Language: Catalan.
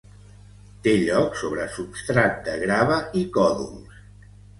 Té lloc sobre substrat de grava i còdols.